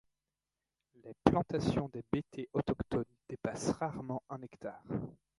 Les plantations des Bété autochtones dépassent rarement un hectare.